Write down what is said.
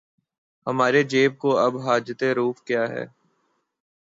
ہمارے جیب کو اب حاجت رفو کیا ہے